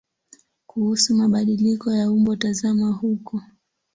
Kuhusu mabadiliko ya umbo tazama huko.